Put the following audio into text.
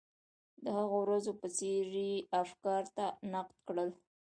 د هغو ورځو په څېر یې افکار نقد کړل.